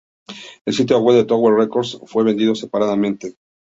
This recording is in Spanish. El sitio web de Tower Records fue vendido separadamente.